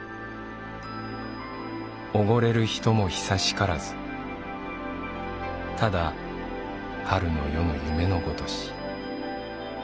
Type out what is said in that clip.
おごれる人も久しからずただ春の夜の夢のごとし。